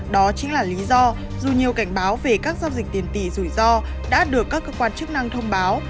đó chính là lý do dù nhiều cảnh báo về các giao dịch tiền tỷ rủi ro đã được các cơ quan chức năng thông báo